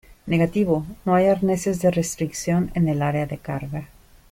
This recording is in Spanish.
Negativo. No hay arneses de restricción en el área de carga .